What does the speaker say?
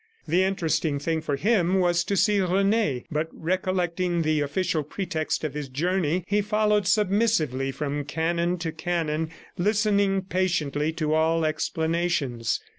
The interesting thing for him was to see Rene ... but recollecting the official pretext of his journey, he followed submissively from cannon to cannon, listening patiently to all explanations.